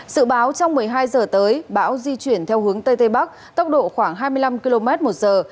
sự báo trong một mươi hai giờ tới bão di chuyển theo hướng tây tây bắc tốc độ khoảng hai mươi năm km một giờ